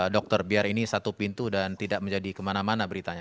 dokter biar ini satu pintu dan tidak menjadi kemana mana beritanya